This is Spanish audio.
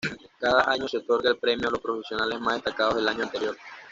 Cada año se otorga el premio a los profesionales más destacados del año anterior.